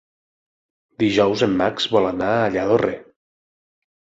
Dijous en Max vol anar a Lladorre.